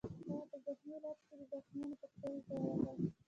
هغه په زخمي خالت کې د زخمیانو پوښتنې ته ورغی